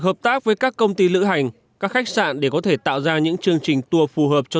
hợp tác với các công ty lữ hành các khách sạn để có thể tạo ra những chương trình tour phù hợp cho